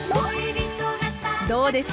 どうです？